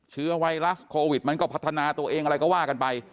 เชื้อไวรัสโควิดมันก็พัฒนาตัวเองอะไรก็ว่ากันไป